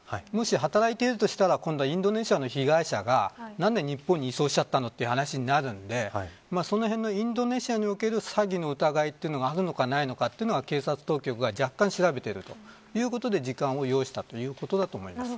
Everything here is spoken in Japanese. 働いているとしたらインドネシアの被害者が何で日本に移送しちゃったのという話になるのでそのへんのインドネシアにおける詐欺の疑いというのがあるのかないのかを警察当局が若干、調べているということで時間を要したということだと思います。